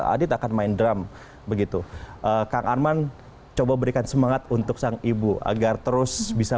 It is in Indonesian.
adit akan main drum begitu kang arman coba berikan semangat untuk sang ibu agar terus bisa